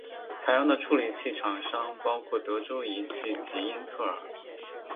采用的处理器厂商包括德州仪器及英特尔。